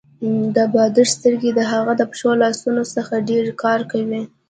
د بادار سترګې د هغه د پښو او لاسونو څخه ډېر کار کوي.